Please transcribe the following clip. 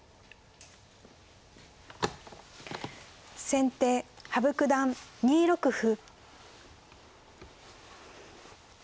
先手羽生九段２六歩。